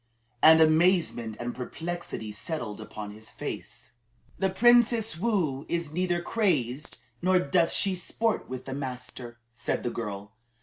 And amazement and perplexity settled upon his face. "The Princess Woo is neither crazed nor doth she sport with the master," said the girl.